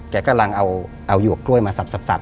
กำลังเอาหยวกกล้วยมาสับ